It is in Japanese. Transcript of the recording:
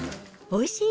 おいしい。